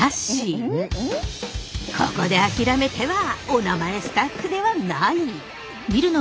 ここで諦めては「おなまえ」スタッフではない！